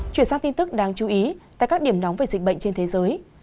chuyển sang tin tức đáng chú ý tại các điểm nóng về dịch bệnh trên thế giới